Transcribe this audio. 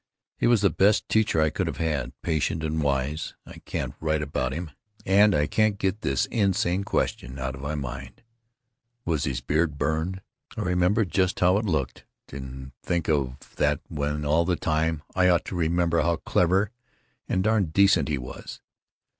He was the best teacher I could have had, patient and wise. I can't write about him. And I can't get this insane question out of my mind: Was his beard burned? I remember just how it looked, and think of that when all the time I ought to remember how clever and darn decent he was.